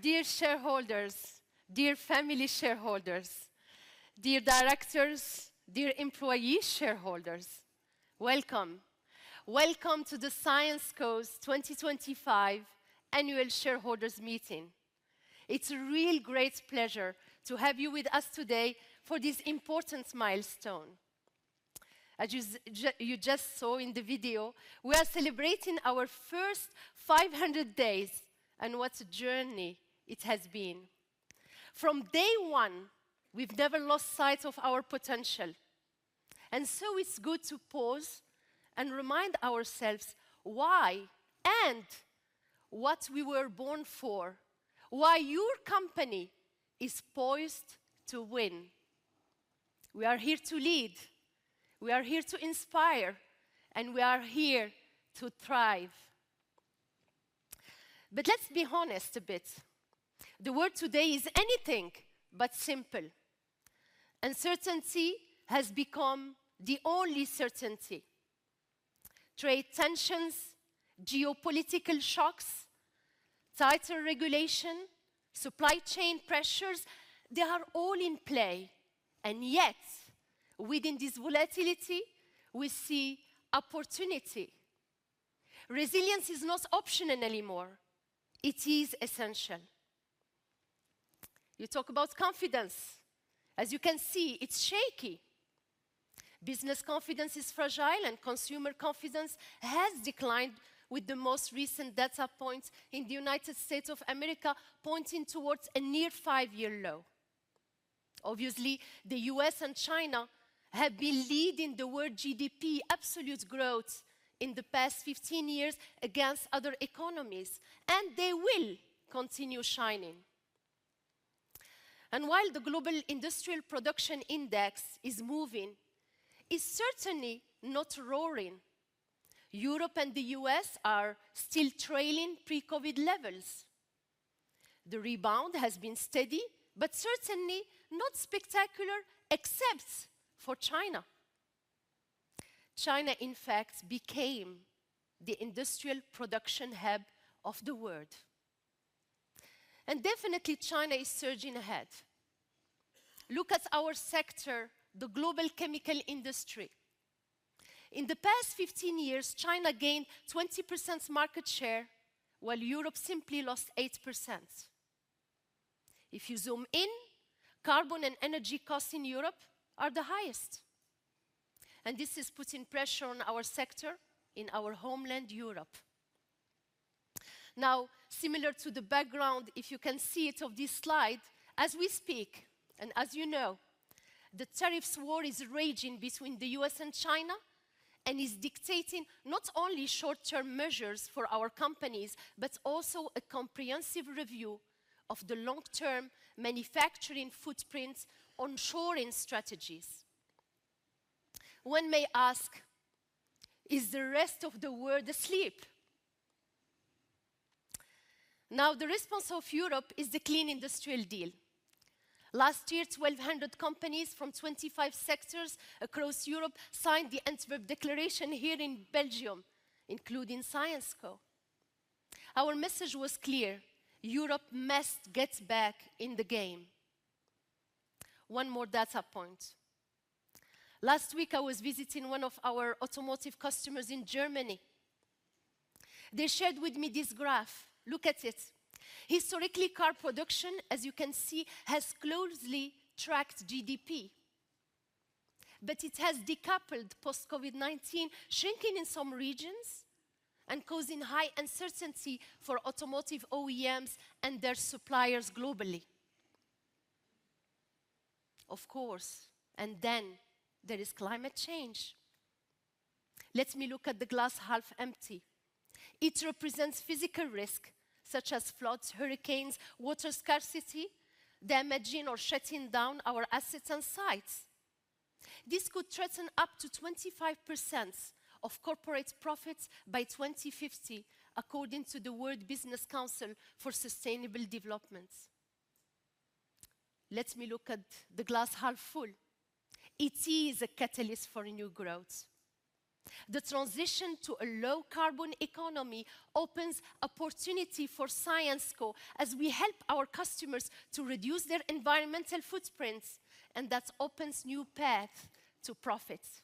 Dear shareholders, dear family shareholders, dear directors, dear employee shareholders, welcome. Welcome to the Syensqo's 2025 Annual Shareholders Meeting. It is a real great pleasure to have you with us today for this important milestone. As you just saw in the video, we are celebrating our first 500 days and what a journey it has been. From day one, we have never lost sight of our potential. It is good to pause and remind ourselves why and what we were born for, why your company is poised to win. We are here to lead. We are here to inspire. We are here to thrive. Let us be honest a bit. The world today is anything but simple. Uncertainty has become the only certainty. Trade tensions, geopolitical shocks, tighter regulation, supply chain pressures, they are all in play. Yet, within this volatility, we see opportunity. Resilience is not an option anymore. It is essential. You talk about confidence. As you can see, it's shaky. Business confidence is fragile, and consumer confidence has declined with the most recent data points in the United States of America, pointing towards a near five-year low. Obviously, the U.S. and China have been leading the world GDP absolute growth in the past 15 years against other economies, and they will continue shining. While the Global Industrial Production Index is moving, it's certainly not roaring. Europe and the U.S. are still trailing pre-COVID levels. The rebound has been steady, but certainly not spectacular, except for China. China, in fact, became the industrial production hub of the world. Definitely, China is surging ahead. Look at our sector, the global chemical industry. In the past 15 years, China gained 20% market share, while Europe simply lost 8%. If you zoom in, carbon and energy costs in Europe are the highest. This is putting pressure on our sector in our homeland, Europe. Now, similar to the background, if you can see it on this slide as we speak, and as you know, the tariffs war is raging between the U.S. and China and is dictating not only short-term measures for our companies, but also a comprehensive review of the long-term manufacturing footprint on-shoring strategies. One may ask, is the rest of the world asleep? The response of Europe is the Clean Industrial Deal. Last year, 1,200 companies from 25 sectors across Europe signed the Antwerp Declaration here in Belgium, including Syensqo. Our message was clear: Europe must get back in the game. One more data point. Last week, I was visiting one of our automotive customers in Germany. They shared with me this graph. Look at it. Historically, car production, as you can see, has closely tracked GDP. It has decoupled post-COVID-19, shrinking in some regions and causing high uncertainty for automotive OEMs and their suppliers globally. Of course, and then there is climate change. Let me look at the glass half empty. It represents physical risk, such as floods, hurricanes, water scarcity, damaging or shutting down our assets and sites. This could threaten up to 25% of corporate profits by 2050, according to the World Business Council for Sustainable Development. Let me look at the glass half full. It is a catalyst for new growth. The transition to a low-carbon economy opens opportunity for Syensqo as we help our customers to reduce their environmental footprints, and that opens new paths to profits.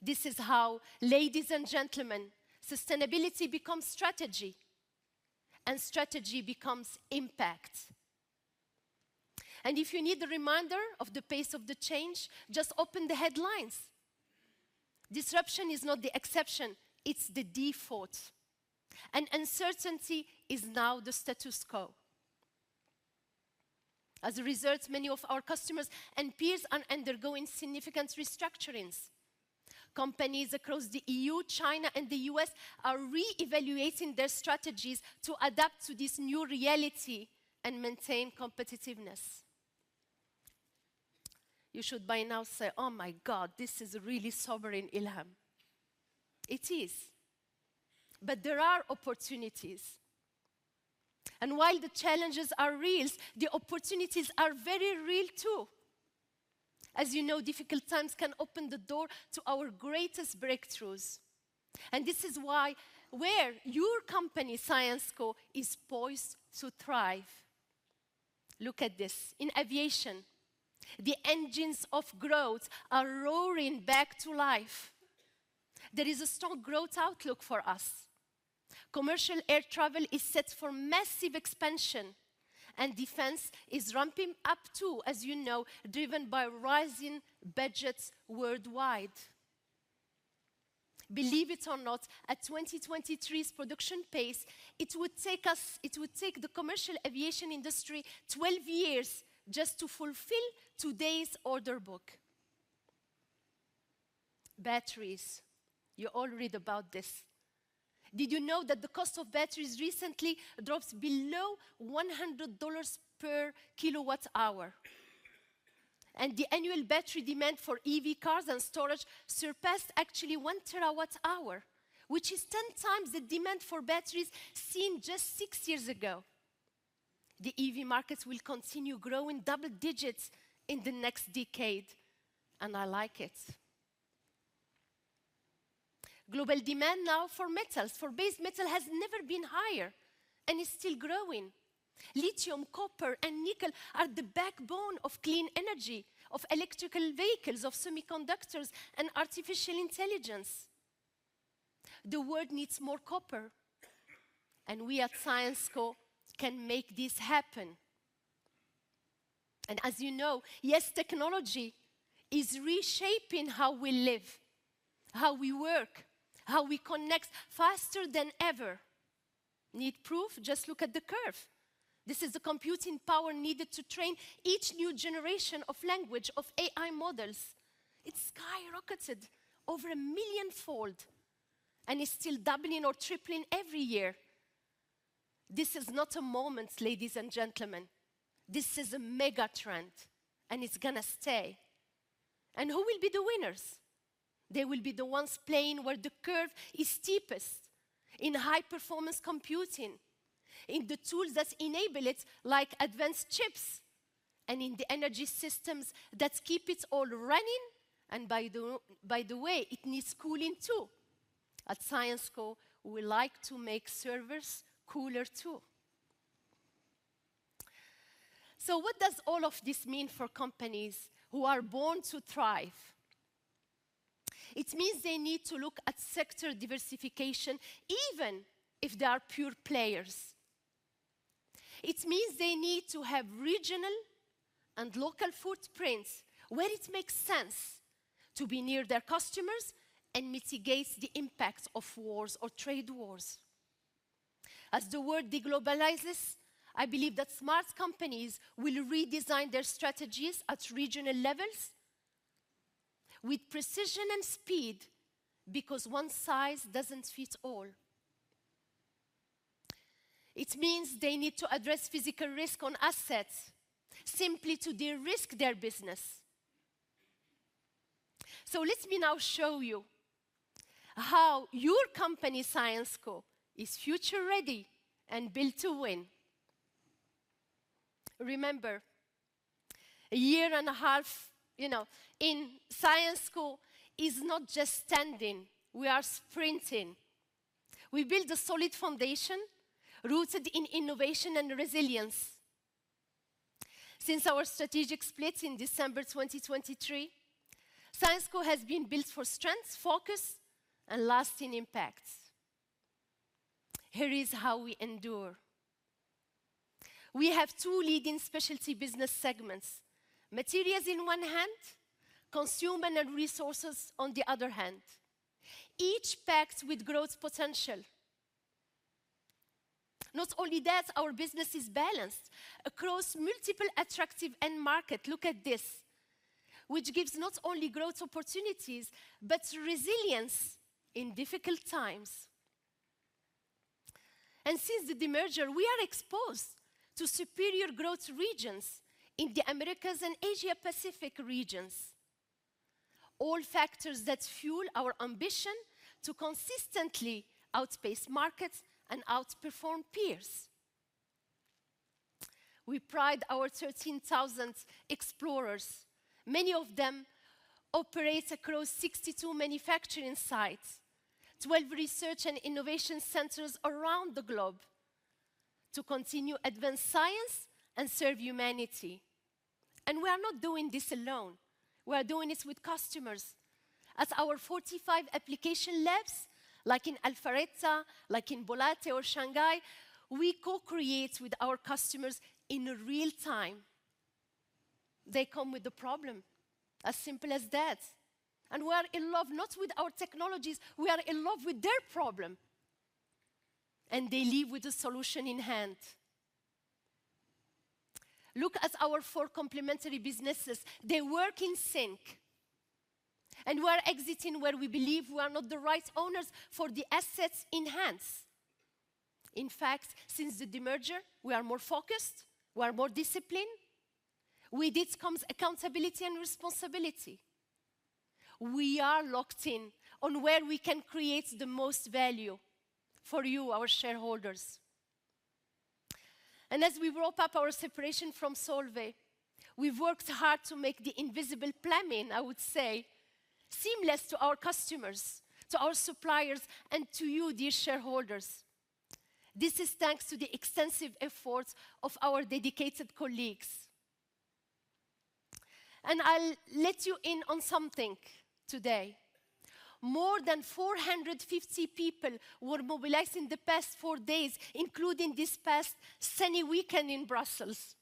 This is how, ladies and gentlemen, sustainability becomes strategy, and strategy becomes impact. If you need a reminder of the pace of the change, just open the headlines. Disruption is not the exception. It is the default. Uncertainty is now the status quo. As a result, many of our customers and peers are undergoing significant restructurings. Companies across the EU, China, and the U.S. are reevaluating their strategies to adapt to this new reality and maintain competitiveness. You should by now say, "Oh my God, this is a really sobering Ilham." It is. There are opportunities. While the challenges are real, the opportunities are very real too. As you know, difficult times can open the door to our greatest breakthroughs. This is why your company, Syensqo, is poised to thrive. Look at this. In aviation, the engines of growth are roaring back to life. There is a strong growth outlook for us. Commercial air travel is set for massive expansion, and defense is ramping up too, as you know, driven by rising budgets worldwide. Believe it or not, at 2023's production pace, it would take the commercial aviation industry 12 years just to fulfill today's order book. Batteries. You all read about this. Did you know that the cost of batteries recently dropped below $100 per kilowatt-hour? And the annual battery demand for EV cars and storage surpassed actually 1 terawatt-hour, which is 10 times the demand for batteries seen just six years ago. The EV market will continue growing double-digits in the next decade. I like it. Global demand now for metals, for base metal, has never been higher and is still growing. Lithium, copper, and nickel are the backbone of clean energy, of electrical vehicles, of semiconductors, and artificial intelligence. The world needs more copper. We at Syensqo can make this happen. As you know, yes, technology is reshaping how we live, how we work, how we connect faster than ever. Need proof? Just look at the curve. This is the computing power needed to train each new generation of language, of AI models. It has skyrocketed over a million-fold and is still doubling or tripling every year. This is not a moment, ladies and gentlemen. This is a mega trend, and it is going to stay. Who will be the winners? They will be the ones playing where the curve is steepest, in high-performance computing, in the tools that enable it, like advanced chips, and in the energy systems that keep it all running. By the way, it needs cooling too. At Syensqo, we like to make servers cooler too. What does all of this mean for companies who are born to thrive? It means they need to look at sector diversification, even if they are pure players. It means they need to have regional and local footprints where it makes sense to be near their customers and mitigate the impact of wars or trade wars. As the world de-globalizes, I believe that smart companies will redesign their strategies at regional levels with precision and speed because one size does not fit all. It means they need to address physical risk on assets simply to de-risk their business. Let me now show you how your company, Syensqo, is future-ready and built to win. Remember, a year and a half, you know, in Syensqo is not just standing. We are sprinting. We build a solid foundation rooted in innovation and resilience. Since our strategic split in December 2023, Syensqo has been built for strength, focus, and lasting impact. Here is how we endure. We have two leading specialty business segments: materials on one hand, consumer and resources on the other hand. Each packed with growth potential. Not only that, our business is balanced across multiple attractive end markets. Look at this, which gives not only growth opportunities but resilience in difficult times. Since the merger, we are exposed to superior growth regions in the Americas and Asia-Pacific regions. All factors that fuel our ambition to consistently outpace markets and outperform peers. We pride our 13,000 explorers. Many of them operate across 62 manufacturing sites, 12 research and innovation centers around the globe to continue advanced science and serve humanity. We are not doing this alone. We are doing this with customers. At our 45 application labs, like in Alpharetta, like in Boulder or Shanghai, we co-create with our customers in real time. They come with a problem as simple as that. We are in love not with our technologies. We are in love with their problem. They leave with a solution in hand. Look at our four complementary businesses. They work in Sync. We are exiting where we believe we are not the right owners for the assets in hand. In fact, since the merger, we are more focused. We are more disciplined. With it comes accountability and responsibility. We are locked in on where we can create the most value for you, our shareholders. As we wrap up our separation from Solvay, we have worked hard to make the invisible plumbing, I would say, seamless to our customers, to our suppliers, and to you, dear shareholders. This is thanks to the extensive efforts of our dedicated colleagues. I'll let you in on something today. More than 450 people were mobilized in the past four days, including this past sunny weekend in Brussels,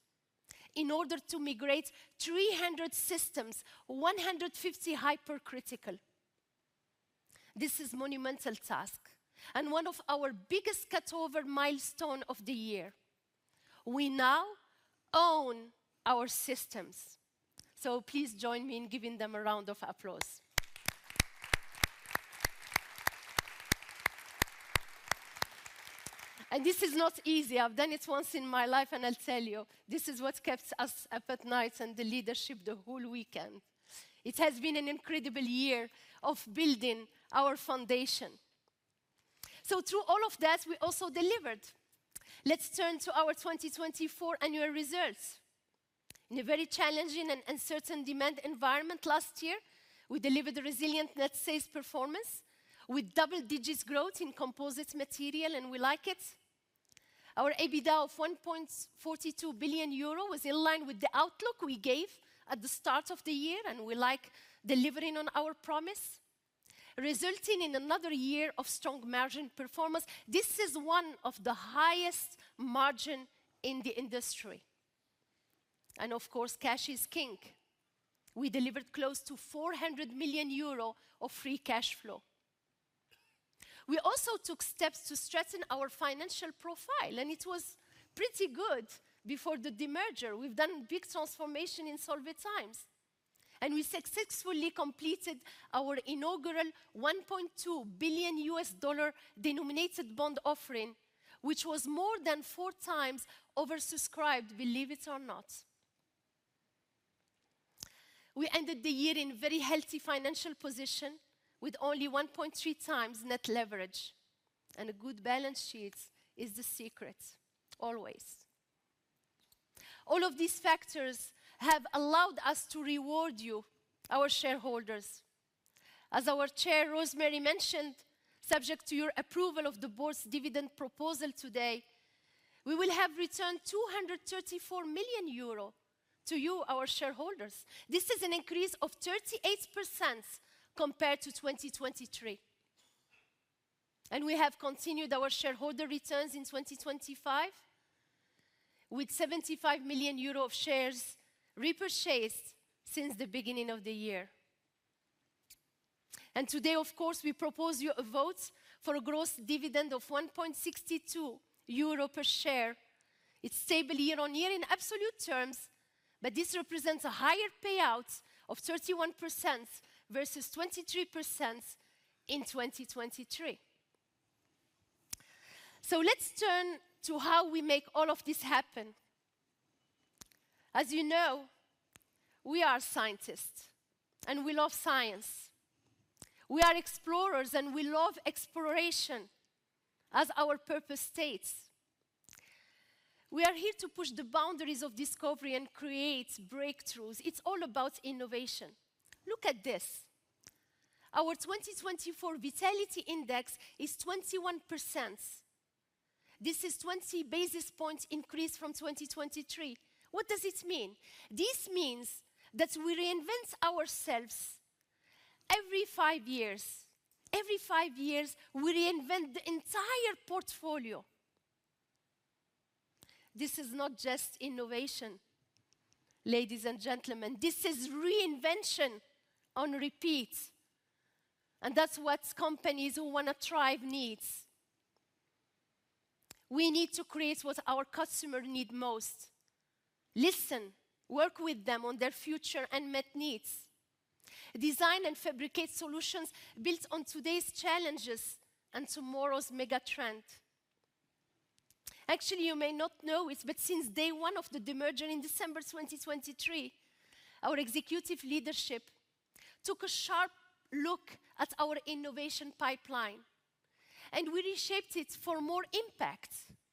in order to migrate 300 systems, 150 hypercritical. This is a monumental task and one of our biggest cutover milestones of the year. We now own our systems. Please join me in giving them a round of applause. This is not easy. I've done it once in my life, and I'll tell you, this is what kept us up at night and the leadership the whole weekend. It has been an incredible year of building our foundation. Through all of that, we also delivered. Let's turn to our 2024 annual results. In a very challenging and uncertain demand environment last year, we delivered resilient net sales performance with double-digit growth in composite material, and we like it. Our EBITDA of 1.42 billion euro was in line with the outlook we gave at the start of the year, and we like delivering on our promise, resulting in another year of strong margin performance. This is one of the highest margins in the industry. Of course, cash is king. We delivered close to 400 million euro of free cash flow. We also took steps to strengthen our financial profile, and it was pretty good before the merger. We've done big transformation in Solvay times. We successfully completed our inaugural $1.2 billion denominated bond offering, which was more than four times oversubscribed, believe it or not. We ended the year in a very healthy financial position with only 1.3 times net leverage. A good balance sheet is the secret, always. All of these factors have allowed us to reward you, our shareholders. As our Chair, Rosemary, mentioned, subject to your approval of the board's dividend proposal today, we will have returned 234 million euro to you, our shareholders. This is an increase of 38% compared to 2023. We have continued our shareholder returns in 2025 with 75 million euro of shares repurchased since the beginning of the year. Today, of course, we propose you a vote for a gross dividend of 1.62 euro per share. It is stable year on year in absolute terms, but this represents a higher payout of 31% versus 23% in 2023. Let us turn to how we make all of this happen. As you know, we are scientists, and we love science. We are explorers, and we love exploration, as our purpose states. We are here to push the boundaries of discovery and create breakthroughs. It's all about innovation. Look at this. Our 2024 vitality index is 21%. This is a 20 basis point increase from 2023. What does it mean? This means that we reinvent ourselves every five years. Every five years, we reinvent the entire portfolio. This is not just innovation, ladies and gentlemen. This is reinvention on repeat. That is what companies who want to thrive need. We need to create what our customers need most. Listen, work with them on their future and met needs. Design and fabricate solutions built on today's challenges and tomorrow's mega trend. Actually, you may not know it, but since day one of the merger in December 2023, our executive leadership took a sharp look at our innovation pipeline, and we reshaped it for more impact,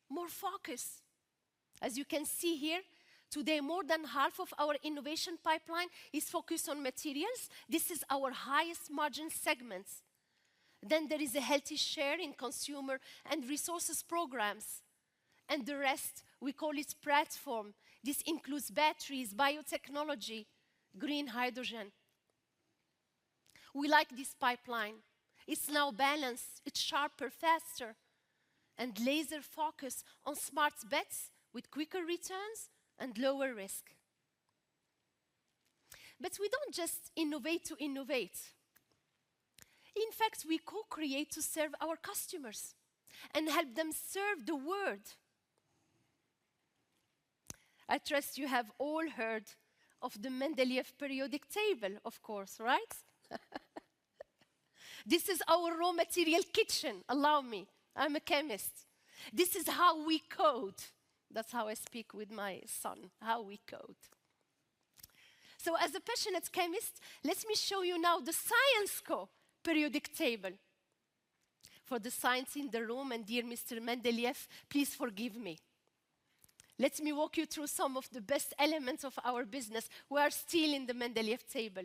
more focus. As you can see here, today, more than half of our innovation pipeline is focused on materials. This is our highest margin segment. There is a healthy share in consumer and resources programs. The rest, we call it platform. This includes batteries, biotechnology, green hydrogen. We like this pipeline. It's now balanced. It's sharper, faster, and laser-focused on smart bets with quicker returns and lower risk. We do not just innovate to innovate. In fact, we co-create to serve our customers and help them serve the world. I trust you have all heard of the Mendeleev periodic table, of course, right? This is our raw material kitchen. Allow me. I'm a chemist. This is how we code. That's how I speak with my son, how we code. As a passionate chemist, let me show you now the Syensqo periodic table. For the science in the room and dear Mr. Mendeleev, please forgive me. Let me walk you through some of the best elements of our business. We are still in the Mendeleev table.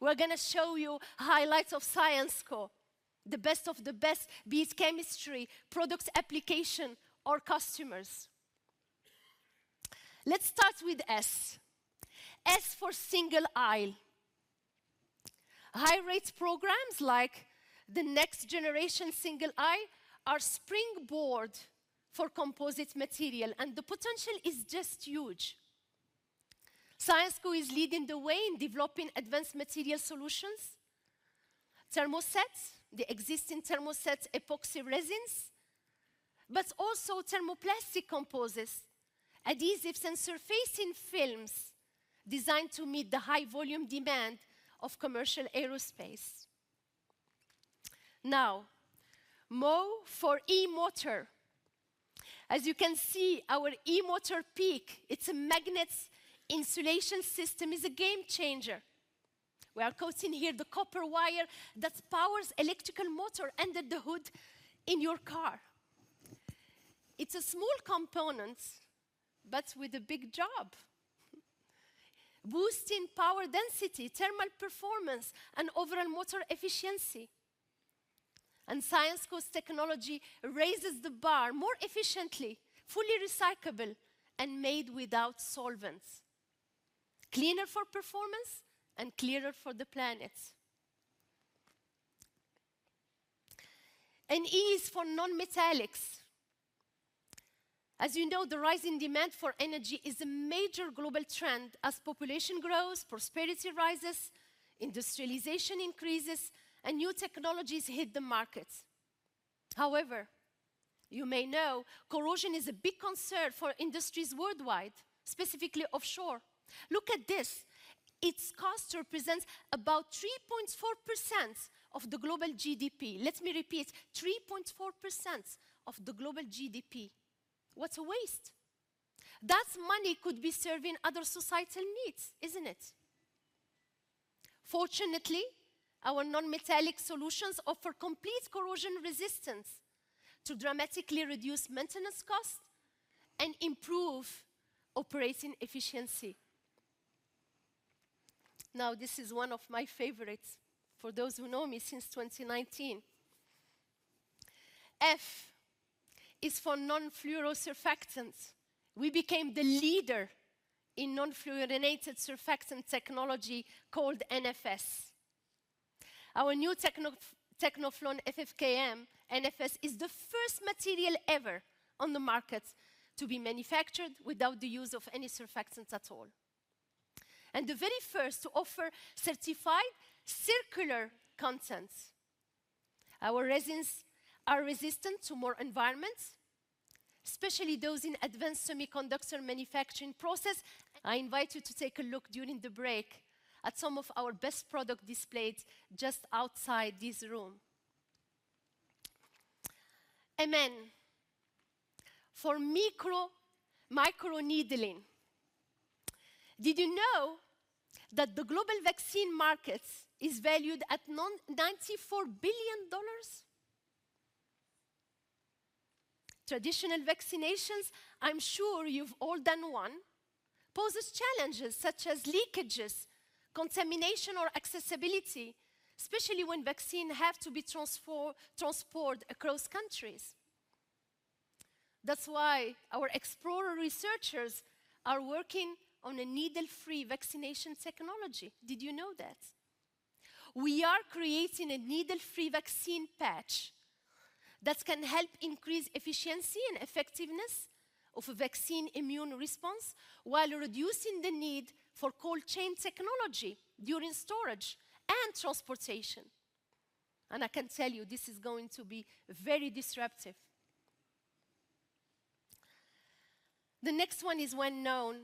We're going to show you highlights of Syensqo, the best of the best, be it chemistry, product application, or customers. Let's start with S. S for single aisle. High-rate programs like the next generation single aisle are springboard for composite materials, and the potential is just huge. Syensqo is leading the way in developing advanced material solutions, thermosets, the existing thermoset epoxy resins, but also thermoplastic composites, adhesive sensor facing films designed to meet the high volume demand of commercial aerospace. Now, Mo for e-motor. As you can see, our e-motor peak, it's a magnet insulation system, is a game changer. We are coating here the copper wire that powers electrical motor under the hood in your car. It's a small component, but with a big job, boosting power density, thermal performance, and overall motor efficiency. Syensqo's technology raises the bar more efficiently, fully recyclable, and made without solvents. Cleaner for performance and clearer for the planet. Ease for non-metallics. As you know, the rising demand for energy is a major global trend. As population grows, prosperity rises, industrialization increases, and new technologies hit the market. However, you may know corrosion is a big concern for industries worldwide, specifically offshore. Look at this. Its cost represents about 3.4% of the global GDP. Let me repeat, 3.4% of the global GDP. What a waste. That money could be serving other societal needs, isn't it? Fortunately, our non-metallic solutions offer complete corrosion resistance to dramatically reduce maintenance costs and improve operating efficiency. Now, this is one of my favorites for those who know me since 2019. F is for non-fluorosurfactants. We became the leader in non-fluorinated surfactant technology called NFS. Our new Tecnoflon® FFKM NFS is the first material ever on the market to be manufactured without the use of any surfactants at all, and the very first to offer certified circular contents. Our resins are resistant to more environments, especially those in advanced semiconductor manufacturing process. I invite you to take a look during the break at some of our best products displayed just outside this room. MN for micro needling. Did you know that the global vaccine market is valued at $94 billion? Traditional vaccinations, I'm sure you've all done one, pose challenges such as leakages, contamination, or accessibility, especially when vaccines have to be transported across countries. That's why our explorer researchers are working on a needle-free vaccination technology. Did you know that? We are creating a needle-free vaccine patch that can help increase efficiency and effectiveness of a vaccine immune response while reducing the need for cold chain technology during storage and transportation. I can tell you, this is going to be very disruptive. The next one is well known,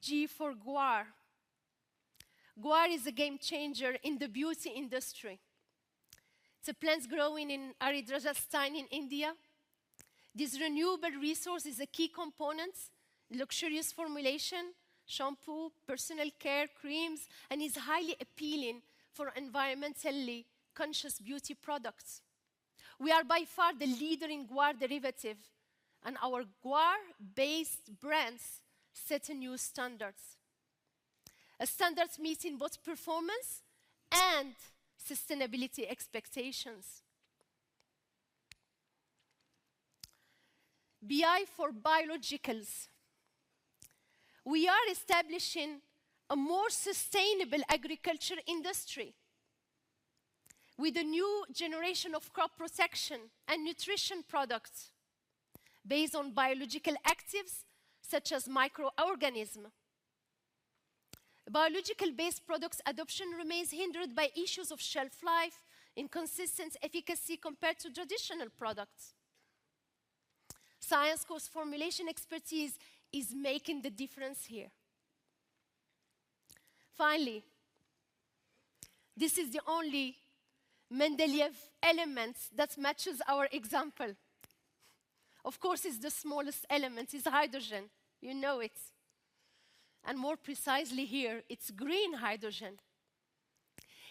G for guar. Guar is a game changer in the beauty industry. It's a plant grown in Rajasthan, India. This renewable resource is a key component, luxurious formulation, shampoo, personal care creams, and is highly appealing for environmentally conscious beauty products. We are by far the leader in guar derivatives, and our guar-based brands set new standards. Standards meeting both performance and sustainability expectations. BI for biologicals. We are establishing a more sustainable agriculture industry with a new generation of crop protection and nutrition products based on biological actives such as microorganisms. Biological-based products adoption remains hindered by issues of shelf life, inconsistent efficacy compared to traditional products. Syensqo's formulation expertise is making the difference here. Finally, this is the only Mendeleev element that matches our example. Of course, it's the smallest element. It's hydrogen. You know it. And more precisely here, it's green hydrogen.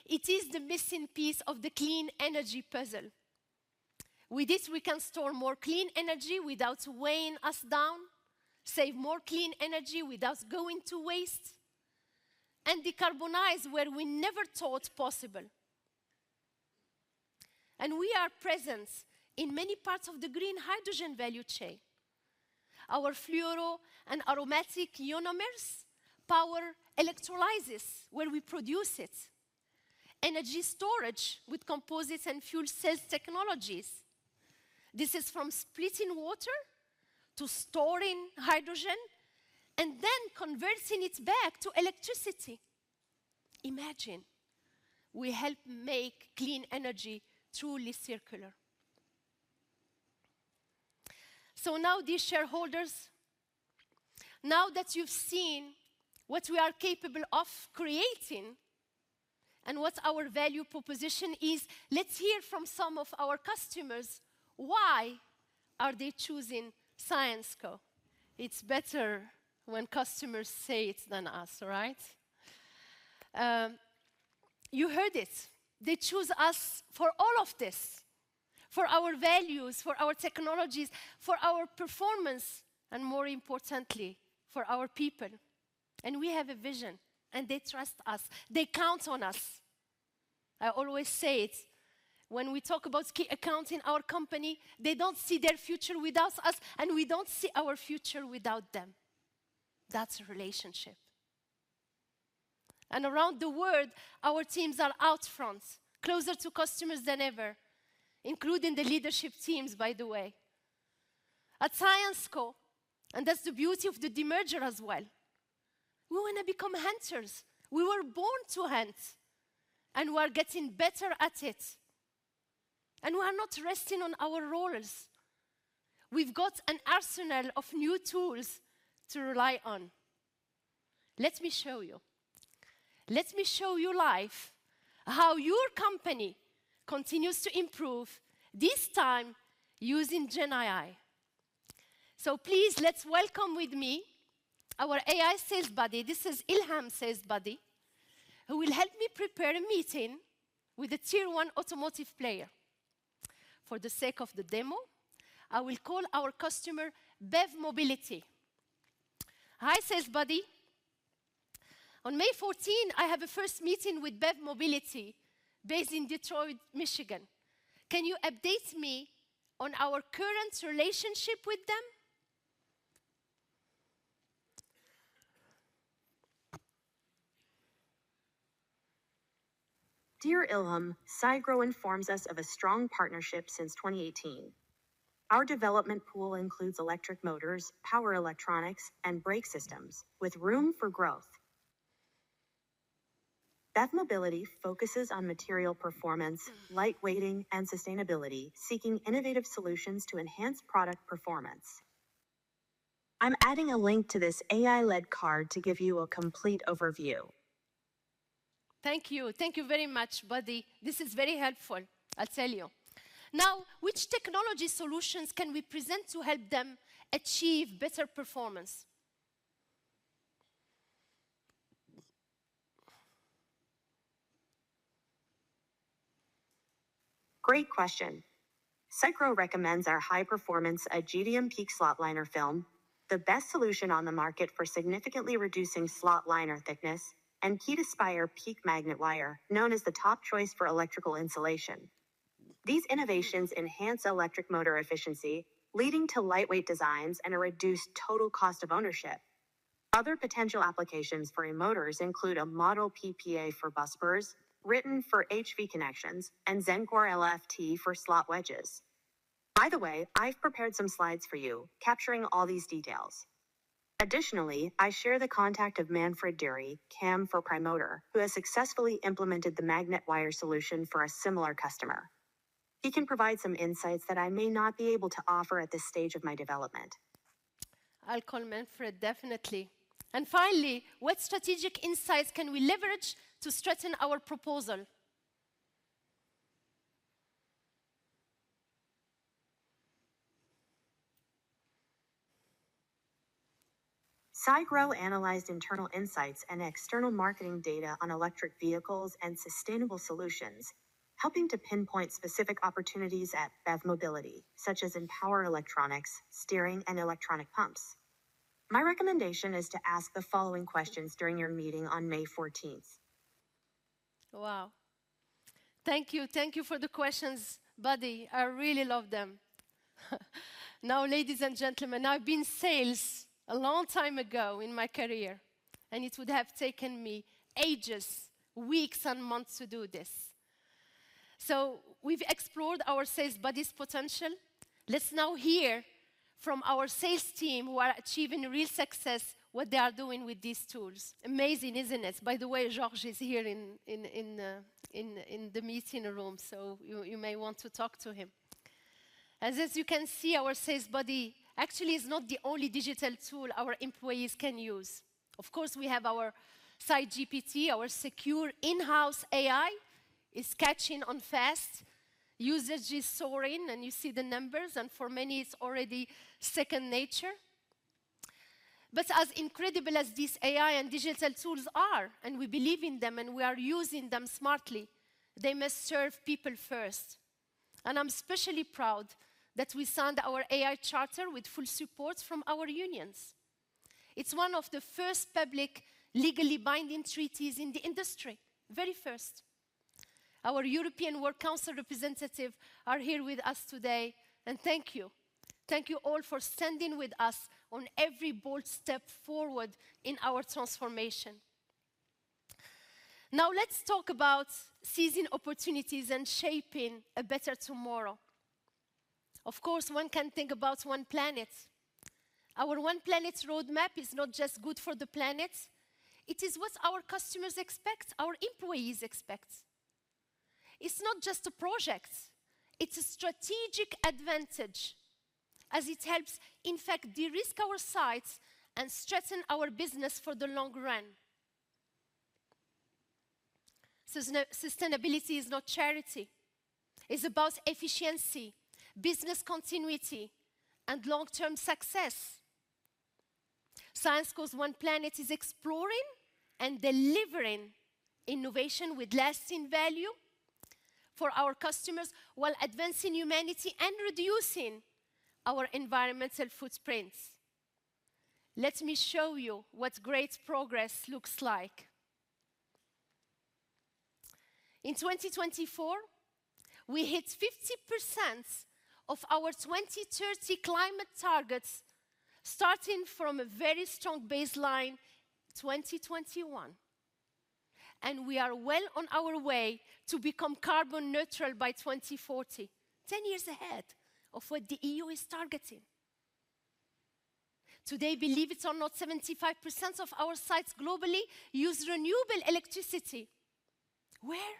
It is the missing piece of the clean energy puzzle. With this, we can store more clean energy without weighing us down, save more clean energy without going to waste, and de-carbonize where we never thought possible. We are present in many parts of the green hydrogen value chain. Our fluoro and aromatic ionomers power electrolysis where we produce it, energy storage with composites and fuel cell technologies. This is from splitting water to storing hydrogen and then converting it back to electricity. Imagine we help make clean energy truly circular. Now, dear shareholders, now that you've seen what we are capable of creating and what our value proposition is, let's hear from some of our customers. Why are they choosing Syensqo? It's better when customers say it than us, right? You heard it. They choose us for all of this: for our values, for our technologies, for our performance, and more importantly, for our people. We have a vision, and they trust us. They count on us. I always say it. When we talk about accounting our company, they don't see their future without us, and we don't see our future without them. That's a relationship. Around the world, our teams are out front, closer to customers than ever, including the leadership teams, by the way. At Syensqo, and that's the beauty of the demerger as well, we want to become hunters. We were born to hunt, and we are getting better at it. We are not resting on our rollers. We have got an arsenal of new tools to rely on. Let me show you. Let me show you live how your company continues to improve, this time using GenAI. Please, let's welcome with me our AI sales buddy. This is Ilham Sales Buddy, who will help me prepare a meeting with a tier one automotive player. For the sake of the demo, I will call our customer BEV Mobility. Hi, Sales Buddy. On May 14, I have a first meeting with Bev Mobility based in Detroit, Michigan.Can you update me on our current relationship with them? Dear Ilham, Syensqo informs us of a strong partnership since 2018. Our development pool includes electric motors, power electronics, and brake systems, with room for growth. BEV Mobility focuses on material performance, light weighting, and sustainability, seeking innovative solutions to enhance product performance. I'm adding a link to this AI-led card to give you a complete overview. Thank you. Thank you very much, Buddy. This is very helpful, I'll tell you. Now, which technology solutions can we present to help them achieve better performance? Great question. Syensqo recommends our high-performance Ajedium™ PEEK Slot liners film, the best solution on the market for significantly reducing slot liner thickness, and KetaSpire® PEEK in magnet wire, known as the top choice for electrical insulation. These innovations enhance electric motor efficiency, leading to lightweight designs and a reduced total cost of ownership. Other potential applications for motors include a Model PPA for busbars, Ritten for HV connections, and Zencor LFT for slot wedges. By the way, I've prepared some slides for you capturing all these details. Additionally, I share the contact of Manfred Dury, CAM for Priemotor, who has successfully implemented the magnet wire solution for a similar customer. He can provide some insights that I may not be able to offer at this stage of my development. I'll call Manfred, definitely. Finally, what strategic insights can we leverage to strengthen our proposal? Syensqo analyzed internal insights and external marketing data on electric vehicles and sustainable solutions, helping to pinpoint specific opportunities at BEV Mobility, such as in power electronics, steering, and electronic pumps. My recommendation is to ask the following questions during your meeting on May 14th. Wow. Thank you. Thank you for the questions, Buddy. I really love them. Now, ladies and gentlemen, I've been in sales a long time ago in my career, and it would have taken me ages, weeks, and months to do this. So we've explored our sales buddy's potential. Let's now hear from our sales team who are achieving real success, what they are doing with these tools. Amazing, isn't it? By the way, George is here in the meeting room, so you may want to talk to him. As you can see, our sales buddy actually is not the only digital tool our employees can use. Of course, we have our ChatGPT, our secure in-house AI, is catching on fast. Users are soaring, and you see the numbers. And for many, it's already second nature. As incredible as these AI and digital tools are, and we believe in them, and we are using them smartly, they must serve people first. I'm especially proud that we signed our AI charter with full support from our unions. It's one of the first public legally binding treaties in the industry, very first. Our European Work Council representatives are here with us today. Thank you. Thank you all for standing with us on every bold step forward in our transformation. Now, let's talk about seizing opportunities and shaping a better tomorrow. Of course, one can think about one planet. Our one planet roadmap is not just good for the planet. It is what our customers expect, our employees expect. It's not just a project. It's a strategic advantage as it helps, in fact, de-risk our sites and strengthen our business for the long run. Sustainability is not charity. It's about efficiency, business continuity, and long-term success. Syensqo's One Planet is exploring and delivering innovation with lasting value for our customers while advancing humanity and reducing our environmental footprints. Let me show you what great progress looks like. In 2024, we hit 50% of our 2030 climate targets, starting from a very strong baseline in 2021. We are well on our way to become carbon neutral by 2040, 10 years ahead of what the EU is targeting. Today, believe it or not, 75% of our sites globally use renewable electricity. Where?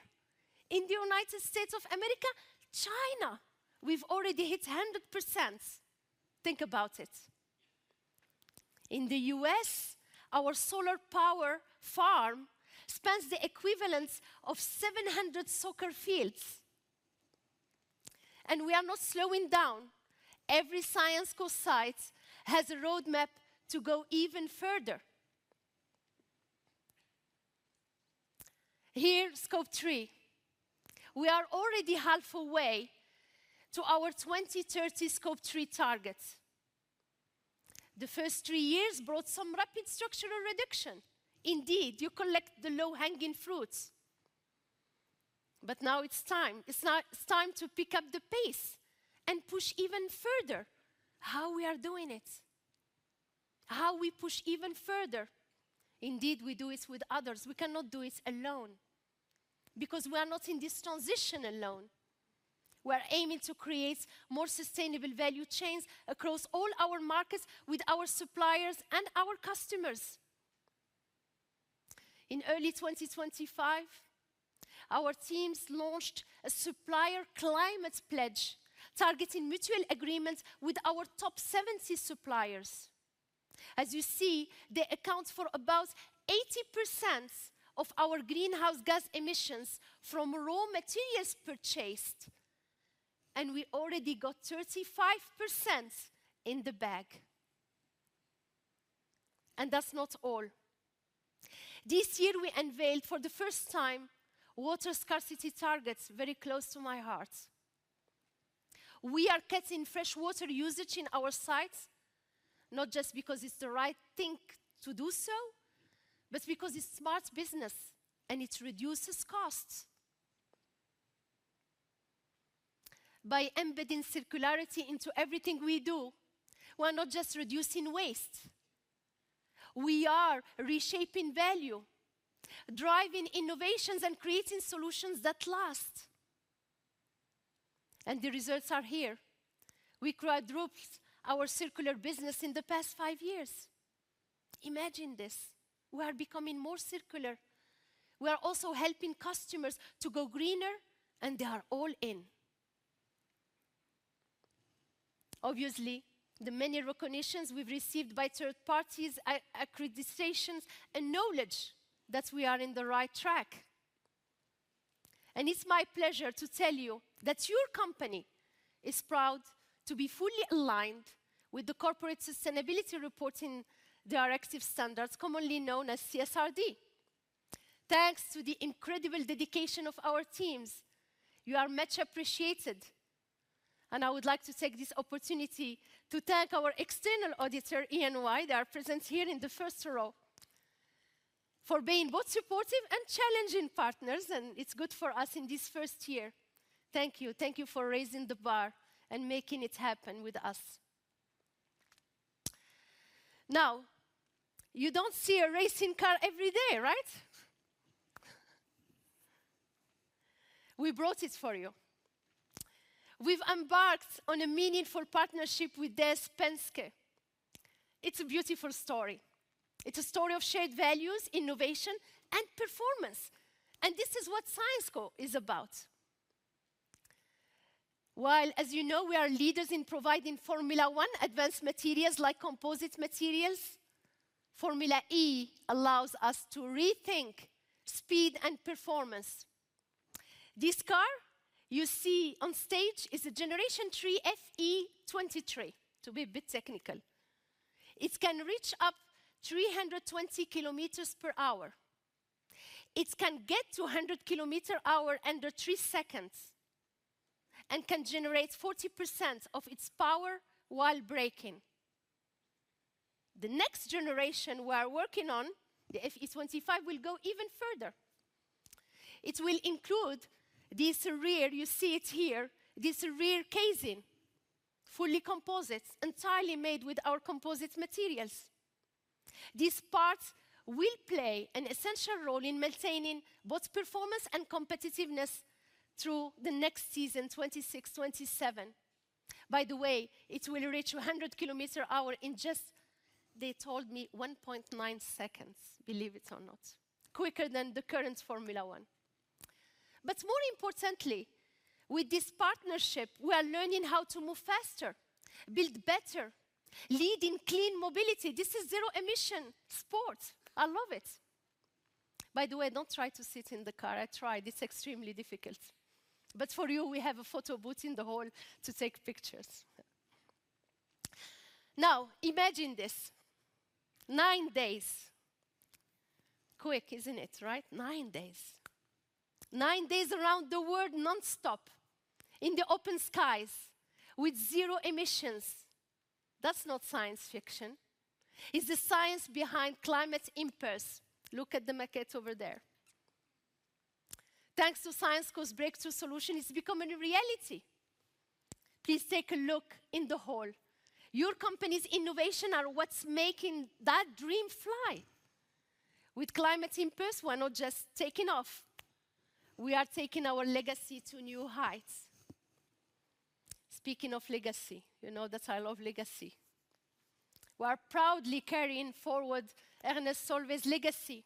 In the United States of America, China. We have already hit 100%. Think about it. In the U.S., our solar power farm spans the equivalent of 700 soccer fields. We are not slowing down. Every Syensqo site has a roadmap to go even further. Here, Scope 3. We are already halfway to our 2030 Scope 3 target. The first three years brought some rapid structural reduction. Indeed, you collect the low-hanging fruits. Now it is time. It is time to pick up the pace and push even further. How are we doing it? How do we push even further? Indeed, we do it with others. We cannot do it alone because we are not in this transition alone. We are aiming to create more sustainable value chains across all our markets with our suppliers and our customers. In early 2025, our teams launched a supplier Climate Pledge targeting mutual agreements with our top 70 suppliers. As you see, they account for about 80% of our greenhouse gas emissions from raw materials purchased. We already got 35% in the bag. That is not all. This year, we unveiled for the first time water scarcity targets very close to my heart. We are cutting fresh water usage in our sites, not just because it is the right thing to do, but because it is smart business and it reduces costs. By embedding circularity into everything we do, we are not just reducing waste. We are reshaping value, driving innovations, and creating solutions that last. The results are here. We quadrupled our circular business in the past five years. Imagine this. We are becoming more circular. We are also helping customers to go greener, and they are all in. Obviously, the many recognitions we have received by third parties, accreditations, and knowledge that we are on the right track. It is my pleasure to tell you that your company is proud to be fully aligned with the Corporate Sustainability Reporting Directive Standards, commonly known as CSRD. Thanks to the incredible dedication of our teams, you are much appreciated. I would like to take this opportunity to thank our external auditor, Ian White. They are present here in the first row for being both supportive and challenging partners. It is good for us in this first year. Thank you. Thank you for raising the bar and making it happen with us. You do not see a racing car every day, right? We brought it for you. We have embarked on a meaningful partnership with DS Penske. It is a beautiful story. It is a story of shared values, innovation, and performance. This is what Syensqo is about. While, as you know, we are leaders in providing Formula 1 advanced materials like composite materials, Formula E allows us to rethink speed and performance. This car you see on stage is a Generation 3 FE23, to be a bit technical. It can reach up to 320 km per hour. It can get to 100 km per hour under 3 seconds and can generate 40% of its power while braking. The next generation we are working on, the FE25, will go even further. It will include this rear, you see it here, this rear casing, fully composite, entirely made with our composite materials. These parts will play an essential role in maintaining both performance and competitiveness through the next season, 2026-2027. By the way, it will reach 100 km per hour in just, they told me, 1.9 seconds, believe it or not, quicker than the current Formula 1. More importantly, with this partnership, we are learning how to move faster, build better, lead in clean mobility. This is zero-emission sport. I love it. By the way, do not try to sit in the car. I tried. It is extremely difficult. For you, we have a photo booth in the hall to take pictures. Now, imagine this. Nine days. Quick, isn't it? Right? Nine days. Nine days around the world non-stop in the open skies with zero emissions. That is not science fiction. It is the science behind Climate Impulse. Look at the market over there. Thanks to Syensqo's breakthrough solution, it is becoming a reality. Please take a look in the hall. Your company's innovations are what is making that dream fly. With Climate Impulse, we are not just taking off. We are taking our legacy to new heights. Speaking of legacy, you know that I love legacy. We are proudly carrying forward Ernest Solvay's legacy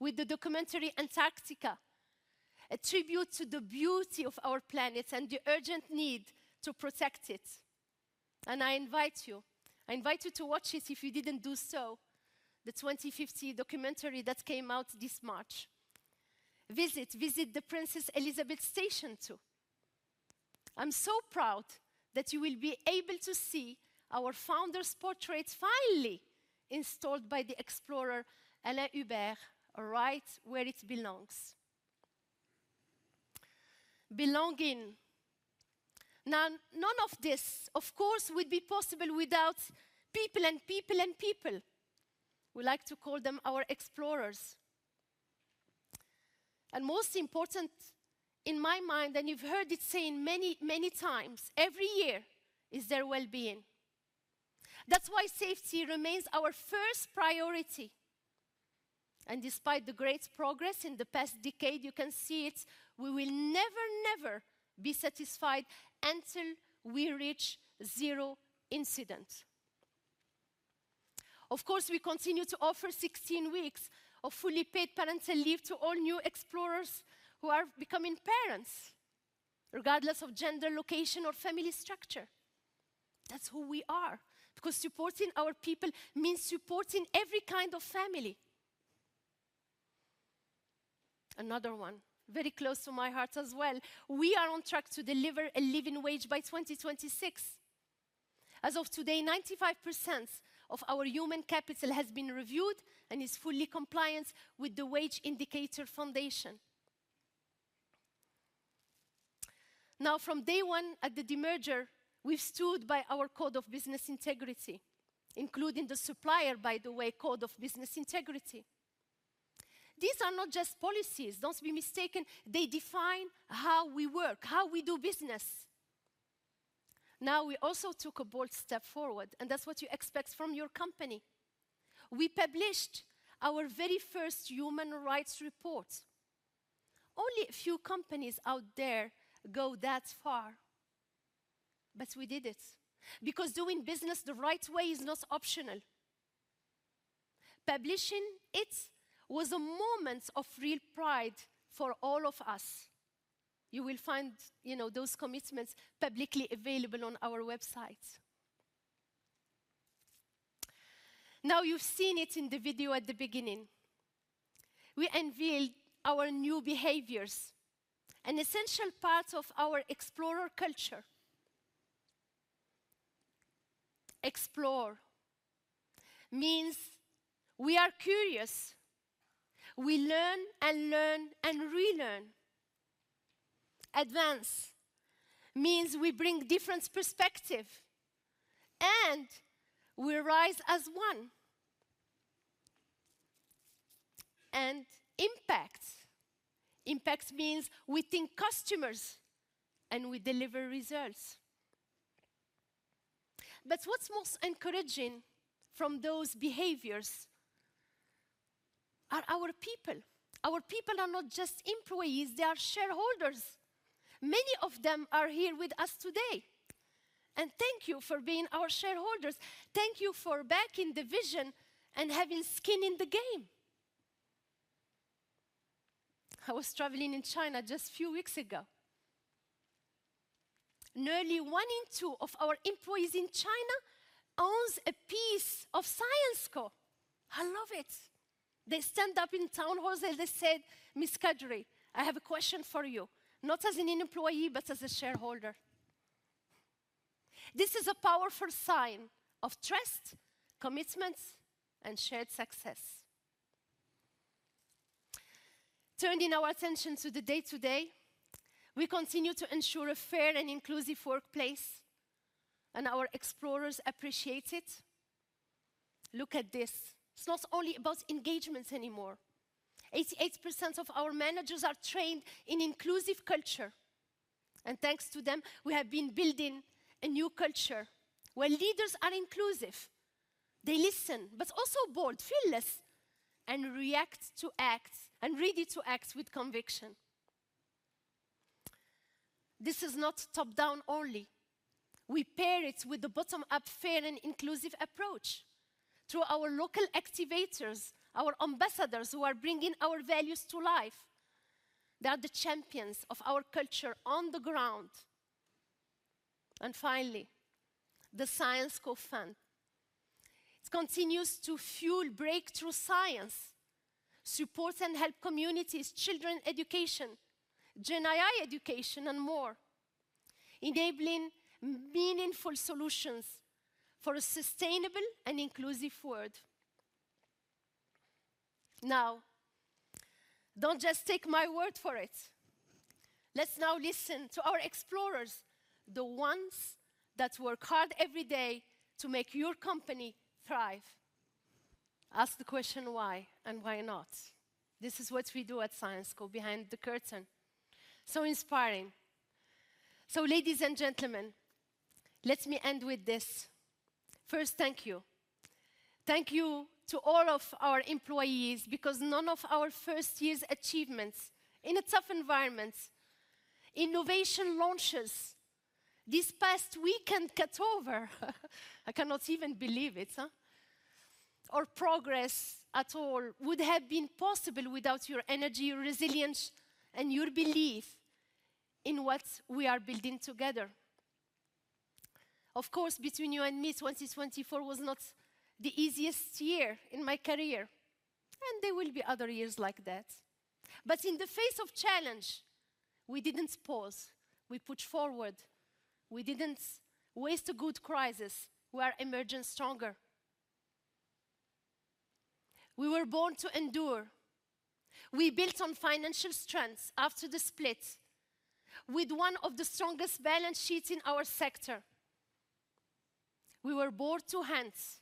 with the documentary Antarctica, a tribute to the beauty of our planet and the urgent need to protect it. I invite you. I invite you to watch it if you did not do so, the 2050 documentary that came out this March. Visit. Visit the Princess Elisabeth station too. I am so proud that you will be able to see our founder's portrait finally installed by the explorer Alain Hubert right where it belongs. Belonging. Now, none of this, of course, would be possible without people and people and people. We like to call them our explorers. Most important in my mind, and you have heard it said many, many times every year, is their well-being. That is why safety remains our first priority. Despite the great progress in the past decade, you can see it, we will never, never be satisfied until we reach zero incidents. Of course, we continue to offer 16 weeks of fully paid parental leave to all new explorers who are becoming parents, regardless of gender, location, or family structure. That's who we are. Because supporting our people means supporting every kind of family. Another one very close to my heart as well. We are on track to deliver a living wage by 2026. As of today, 95% of our human capital has been reviewed and is fully compliant with the Wage Indicator Foundation. Now, from day one at the demerger, we've stood by our code of business integrity, including the supplier, by the way, Code of Business Integrity. These are not just policies. Don't be mistaken. They define how we work, how we do business. Now, we also took a bold step forward, and that's what you expect from your company. We published our very first Human Rights Report. Only a few companies out there go that far. We did it because doing business the right way is not optional. Publishing it was a moment of real pride for all of us. You will find those commitments publicly available on our website. Now, you have seen it in the video at the beginning. We unveiled our new behaviors, an essential part of our explorer culture. Explore means we are curious. We learn and learn and relearn. Advance means we bring different perspective, and we rise as one. Impact means we think customers and we deliver results. What is most encouraging from those behaviors are our people. Our people are not just employees. They are shareholders. Many of them are here with us today. Thank you for being our shareholders. Thank you for backing the vision and having skin in the game. I was traveling in China just a few weeks ago. Nearly one in two of our employees in China owns a piece of Syensqo. I love it. They stand up in town halls and they said, "Ms. Kadri, I have a question for you, not as an employee, but as a shareholder." This is a powerful sign of trust, commitment, and shared success. Turning our attention to the day-to-day, we continue to ensure a fair and inclusive workplace, and our explorers appreciate it. Look at this. It's not only about engagement anymore. 88% of our managers are trained in inclusive culture. Thanks to them, we have been building a new culture where leaders are inclusive. They listen, but also bold, fearless, and react to acts and ready to act with conviction. This is not top-down only. We pair it with a bottom-up fair and inclusive approach through our local activators, our ambassadors who are bringing our values to life. They are the champions of our culture on the ground. Finally, the Syensqo Fund. It continues to fuel breakthrough science, support and help communities, children's education, Gen AI education, and more, enabling meaningful solutions for a sustainable and inclusive world. Now, do not just take my word for it. Let's now listen to our explorers, the ones that work hard every day to make your company thrive. Ask the question, why and why not? This is what we do at Syensqo behind the curtain. So inspiring. Ladies and gentlemen, let me end with this. First, thank you. Thank you to all of our employees because none of our first-year achievements in a tough environment, innovation launches this past weekend cut over. I cannot even believe it. Or progress at all would have been possible without your energy, your resilience, and your belief in what we are building together. Of course, between you and me, 2024 was not the easiest year in my career. There will be other years like that. In the face of challenge, we did not pause. We pushed forward. We did not waste a good crisis. We are emerging stronger. We were born to endure. We built on financial strengths after the split with one of the strongest balance sheets in our sector. We were born to hence.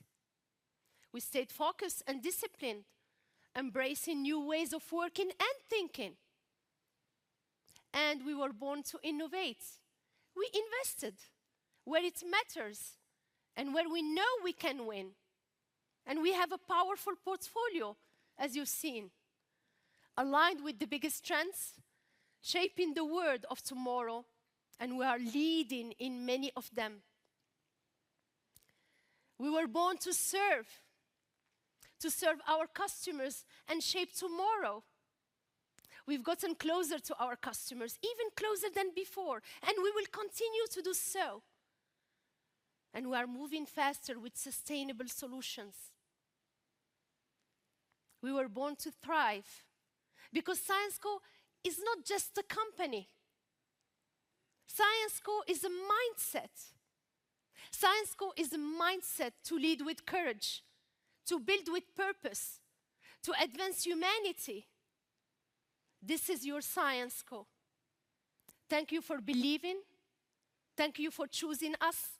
We stayed focused and disciplined, embracing new ways of working and thinking. We were born to innovate. We invested where it matters and where we know we can win. We have a powerful portfolio, as you have seen, aligned with the biggest trends shaping the world of tomorrow. We are leading in many of them. We were born to serve, to serve our customers and shape tomorrow. We have gotten closer to our customers, even closer than before, and we will continue to do so. We are moving faster with sustainable solutions. We were born to thrive because Syensqo is not just a company. Syensqo is a mindset. Syensqo is a mindset to lead with courage, to build with purpose, to advance humanity. This is your Syensqo. Thank you for believing. Thank you for choosing us.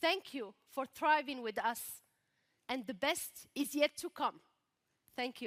Thank you for thriving with us. The best is yet to come. Thank you.